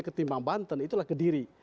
ketimbang banten itulah kediri